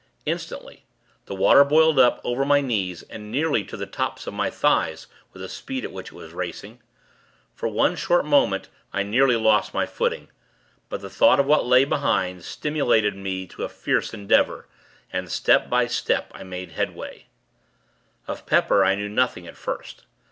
Instantly, the water boiled up over my knees, and nearly to the tops of my thighs, with the speed at which it was racing. For one short moment, I nearly lost my footing; but the thought of what lay behind, stimulated me to a fierce endeavor, and, step by step, I made headway. Of Pepper, I knew nothing at first.